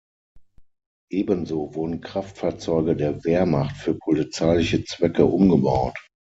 Ebenso wurden Kraftfahrzeuge der Wehrmacht für polizeiliche Zwecke umgebaut.